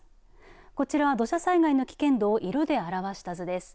こちらは土砂災害の危険度を色で表した図です。